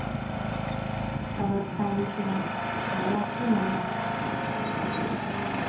その使いみちは彼らしいものだった。